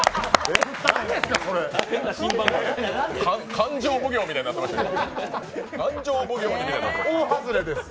勘定奉行みたいになってましたよ。